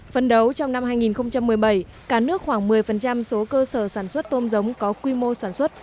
phân đấu trong năm hai nghìn một mươi bảy cả nước khoảng một mươi số cơ sở sản xuất tôm giống có quy mô sản xuất